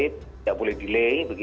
tidak boleh delay